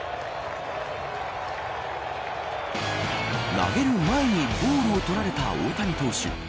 投げる前にボールを取られた大谷投手。